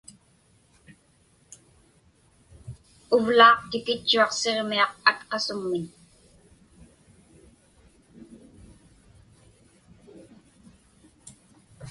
Uvlaaq tikitchuaq Siġmiaq Atqasuŋmiñ.